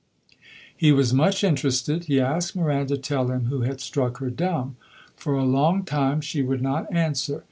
He was much interested. He asked Miranda to tell him who had struck her dumb. For a long time she would not answer.